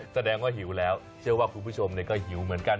แสดงว่าหิวแล้วเชื่อว่าคุณผู้ชมก็หิวเหมือนกัน